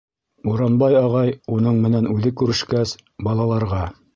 Буранбай ағай, уның менән үҙе күрешкәс, балаларға: